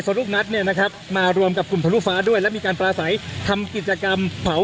ทางกลุ่มมวลชนทะลุฟ้าทางกลุ่มมวลชนทะลุฟ้า